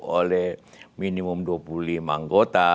oleh minimum dua puluh lima anggota